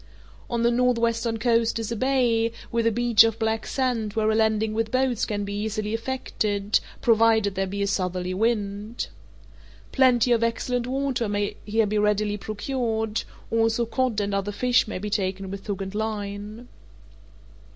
On the northwestern coast is a bay, with a beach of black sand where a landing with boats can be easily effected, provided there be a southerly wind. Plenty of excellent water may here be readily procured; also cod and other fish may be taken with hook and line.